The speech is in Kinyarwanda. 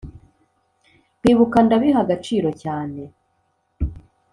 kwibuka ndabiha agaciro cyane